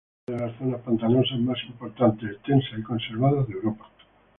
Es una de las zonas pantanosas más importantes, extensas y conservadas de Europa.